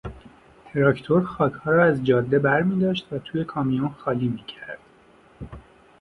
تراکتور خاکها را از جاده برمیداشت و توی کامیون خالی میکرد.